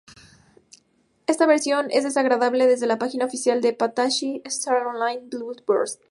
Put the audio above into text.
Esta versión es descargable desde la página oficial de Phantasy Star Online: Blue Burst.